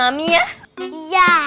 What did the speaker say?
yang ngekos di tempat mami ya